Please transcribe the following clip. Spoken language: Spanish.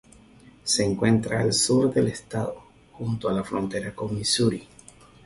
Se encuentra al sur del estado, junto a la frontera con Misuri.